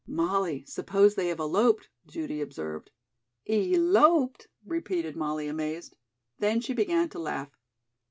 "Molly, suppose they have eloped!" Judy observed. "Eloped!" repeated Molly, amazed. Then she began to laugh.